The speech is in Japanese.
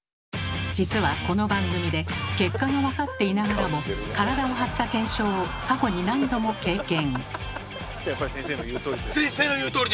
実はこの番組で結果が分かっていながらも体を張った検証を過去に何度も経験。